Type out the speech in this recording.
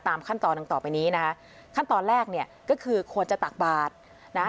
ขั้นตอนดังต่อไปนี้นะคะขั้นตอนแรกเนี่ยก็คือควรจะตักบาทนะฮะ